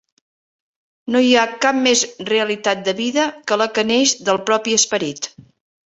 No hi cap més realitat de vida que la que neix del propi esperit.